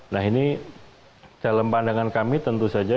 nah ini dalam pandangan kami tentu saja